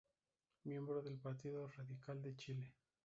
Miembro del Partido Radical de Chile.